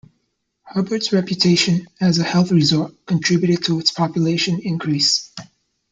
Hubbard's reputation as a health resort contributed to its population increase.